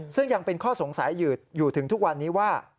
ซึ่งยังเป็นข้อสงสัยอยู่ถึงทุกวันนี้ว่า